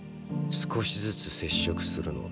少しずつ接触するのだ。